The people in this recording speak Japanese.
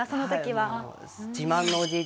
はい。